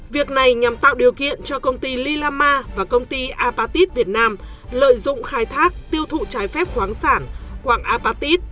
việc này nhằm tạo điều kiện cho công ty lilama và công ty apatit việt nam lợi dụng khai thác tiêu thụ trái phép khoáng sản quảng apatit